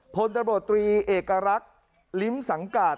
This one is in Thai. พลตะโบตรีเอกรักษ์ลิ้มสังกาศ